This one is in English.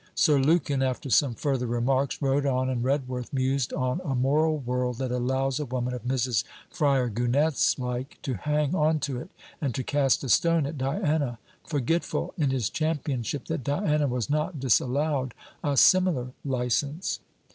Sir Lukin, after some further remarks, rode on, and Redworth mused on a moral world that allows a woman of Mrs. Fryar Gunnett's like to hang on to it, and to cast a stone at Diana; forgetful, in his championship, that Diana was not disallowed a similar licence.